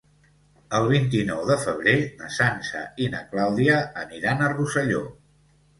El vint-i-nou de febrer na Sança i na Clàudia aniran a Rosselló.